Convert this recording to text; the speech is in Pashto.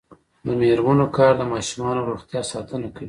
د میرمنو کار د ماشومانو روغتیا ساتنه کوي.